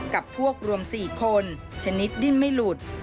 กับพวกรวม๔คนชนิดดิ้นไม่หลุด